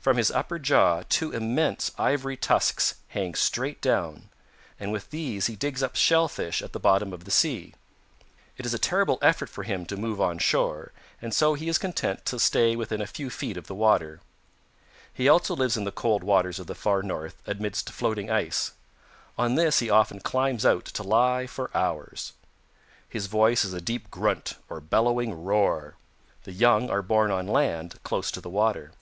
From his upper jaw two immense ivory tusks hang straight down, and with these he digs up shellfish at the bottom of the sea. It is a terrible effort for him to move on shore, and so he is content to stay within a few feet of the water. He also lives in the cold waters of the Far North amidst floating ice. On this he often climbs out to lie for hours. His voice is a deep grunt or bellowing roar. The young are born on land close to the water.